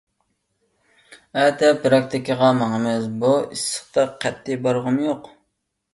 ئەتە پىراكتىكىغا ماڭىمىز. بۇ ئىسسىقتا قەتئىي بارغۇم يوق.